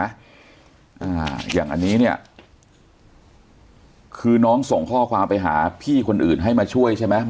อย่างอันนี้เนี่ยคือน้องส่งข้อความไปหาพี่คนอื่นให้มาช่วยใช่ไหม